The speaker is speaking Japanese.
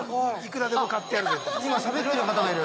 今しゃべっている方がいる！